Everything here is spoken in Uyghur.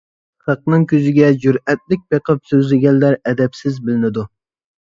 خەقنىڭ كۆزىگە جۈرئەتلىك بېقىپ سۆزلىگەنلەر ئەدەپسىز بىلىنىدۇ.